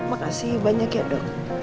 terima kasih banyak ya dok